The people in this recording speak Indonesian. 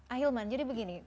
ahilman jadi begini